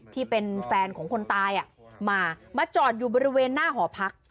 ที่เป็นแฟนของคนตายมามาจอดอยู่บริเวณหน้าหอพัก